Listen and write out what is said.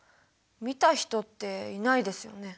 見た人っていないですよね？